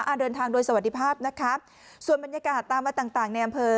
เดินทางโดยสวัสดีภาพนะคะส่วนบรรยากาศตามวัดต่างต่างในอำเภอ